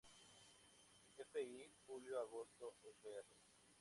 Fl.julio-agosto, fr.